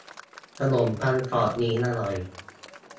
ขนมปังกรอบนี้อร่อย